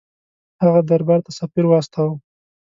هغه دربار ته سفیر واستاوه.